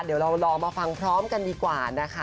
เดี๋ยวเรารอมาฟังพร้อมกันดีกว่านะคะ